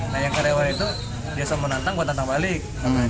nah yang karyawan itu biasa menantang buat nantang balik